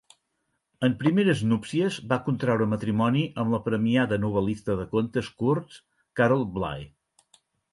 En primeres núpcies va contraure matrimoni amb la premiada novel·lista de contes curts, Carol Bly.